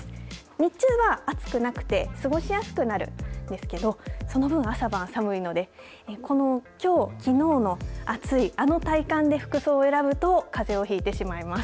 日中は暑くなくて過ごしやすくなるんですがその分、朝晩寒いのでこの、きょうきのうの暑いあの体感で服装を選ぶとかぜをひいてしまいます。